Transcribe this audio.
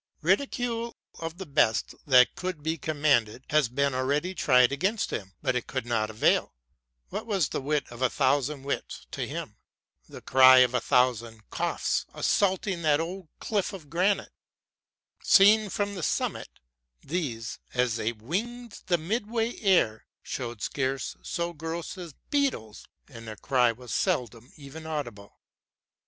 Ridicule, of the best that could be commanded, has been already tried against him ; but it could not avail. What was the wit of a thousand wits to him? The cry of a thousand choughs assaulting that old cliff of granite : seen from the summit, these, as they winged the midway air, showed scarce so gross as beetles, and their cry was seldom even audible.